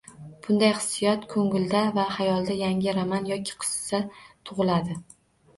Bunday hissiyot ko’ngilda va xayolda yangi roman yoki qissa tug’ila